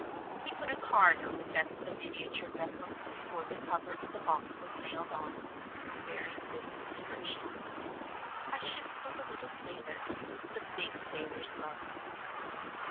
He put a card on the deck of the miniature vessel before the cover of the box was nailed on, bearing this inscription: "A ship for the little sailor, with the big sailor's love."